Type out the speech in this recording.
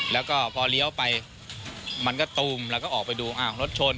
แล้วก็พอเลี้ยวไปมันก็ตูมแล้วก็ออกไปดูอ้าวรถชน